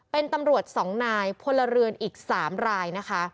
เป็นตำรวจ๒นายพลเรือนอีก๓รายนะคะ